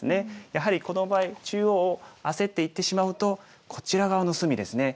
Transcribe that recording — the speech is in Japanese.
やはりこの場合中央を焦っていってしまうとこちら側の隅ですね。